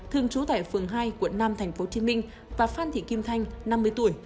thường trú tại phường hai quận năm tp hcm và phan thị kim thanh năm mươi tuổi